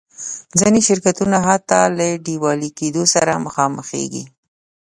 ځینې شرکتونه حتی له ډیوالي کېدو سره مخامخېږي.